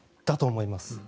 だと思います。